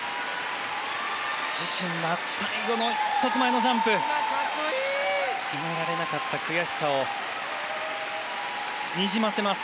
最後の１つ前のジャンプ決められなかった悔しさをにじませます。